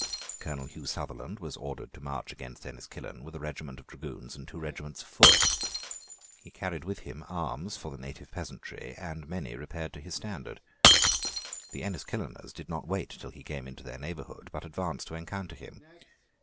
Colonel Hugh Sutherland was ordered to march against Enniskillen with a regiment of dragoons and two regiments of foot. He carried with him arms for the native peasantry; and many repaired to his standard. The Enniskilleners did not wait till he came into their neighbourhood, but advanced to encounter him.